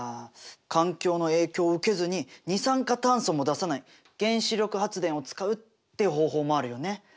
環境の影響を受けずに二酸化炭素も出さない原子力発電を使うっていう方法もあるよね。